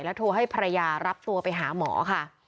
โทรให้ภรรยารับตัวไปหาหมอค่ะ